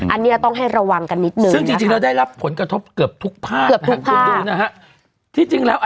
อันนี้ต้องให้ระวังกันนิดนึงซึ่งจริงแล้วได้รับผลกระทบเกือบทุกภาคนะครับคุณดูนะฮะ